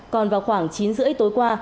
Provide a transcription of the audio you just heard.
còn vào khoảng chín h ba mươi tối qua